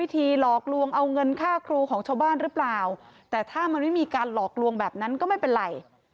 แต่ถ้ามันไม่มีการหลอกลวงแบบนั้นก็ไม่เป็นไร